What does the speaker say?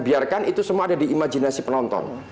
biarkan itu semua ada di imajinasi penonton